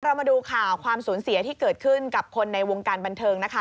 มาดูข่าวความสูญเสียที่เกิดขึ้นกับคนในวงการบันเทิงนะคะ